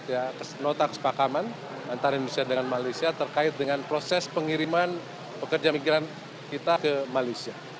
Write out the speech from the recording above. ya nota kesepakaman antara indonesia dengan malaysia terkait dengan proses pengiriman pekerja migran kita ke malaysia